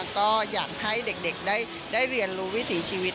ก็อยากให้เด็กได้เรียนรู้วิถีชีวิต